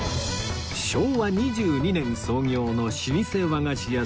昭和２２年創業の老舗和菓子屋さん岡西